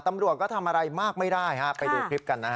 ตำรวจก็ทำอะไรมากไม่ได้ฮะไปดูคลิปกันนะฮะ